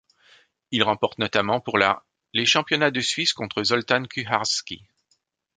Il remporte notamment pour la les Championnats de Suisse contre Zoltán Kuhárszky.